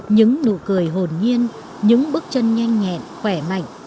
những nụ cười hồn nhiên những bước chân nhanh nhẹn khỏe mạnh